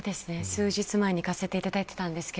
数日前に行かせていただきました。